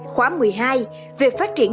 khóa một mươi hai về phát triển